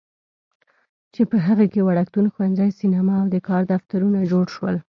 چې په هغې کې وړکتون، ښوونځی، سینما او د کار دفترونه جوړ شول.